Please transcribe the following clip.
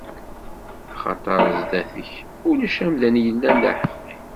Axaṭer zdat-k, ulac amdan yellan d aḥeqqi.